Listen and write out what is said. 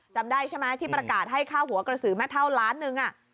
จำได้ใช่ไหมที่ประกาศให้ค่าหัวกระสือแม่เท่าล้านหนึ่ง